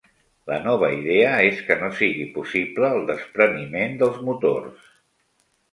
La nova idea és que no sigui possible el despreniment dels motors.